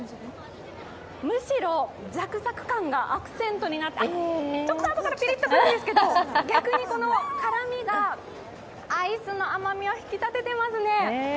むしろ、ざくざく感がアクセントになってあっ、ちょっとあとからピリッとくるんですけど、逆にこの辛みがアイスの甘みをひき立ててますね。